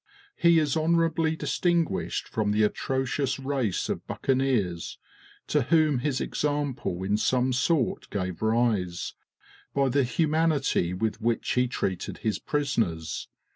He is honorably distinguished from the atrocious race of buccaneers, to whom his example in some sort gave rise, by the humanity with which he treated his prisoners.